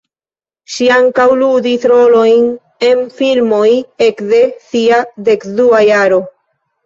Ŝi ankaŭ ludis rolojn en filmoj ekde sia dekdua jaro.